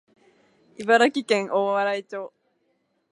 茨城県大洗町